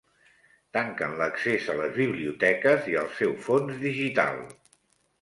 Tanquen l'accés a les biblioteques i al seu fons digital